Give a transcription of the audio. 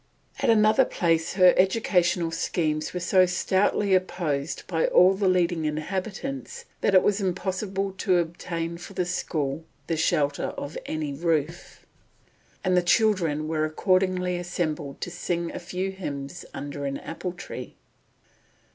At another place her educational schemes were so stoutly opposed by all the leading inhabitants that it was impossible to obtain for the school the shelter of any roof, and the children were accordingly assembled to sing a few hymns under an apple tree.